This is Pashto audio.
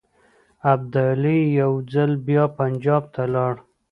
ابدالي یو ځل بیا پنجاب ته ولاړ.